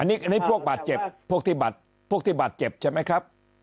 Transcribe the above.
อันนี้พวกบัตรเจ็บพวกที่บัตรเจ็บใช่ไหมครับ